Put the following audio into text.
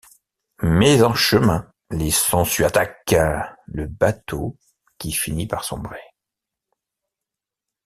Mais en chemin, les sangsues attaquent le bateau qui finit par sombrer.